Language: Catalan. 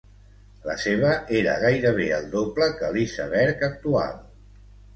La seva era gairebé el doble que l’iceberg actual.